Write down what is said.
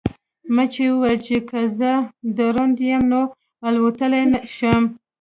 مچۍ وویل چې که زه دروند یم نو الوتلی شم.